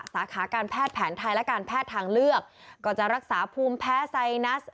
สาขาการแพทย์แผนไทยและการแพทย์ทางเลือกก็จะรักษาภูมิแพ้ไซนัส